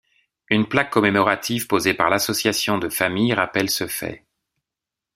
Un plaque commémorative posée par l´Association de Famille rappel ce fait.